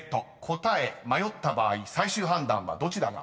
［答え迷った場合最終判断はどちらが？］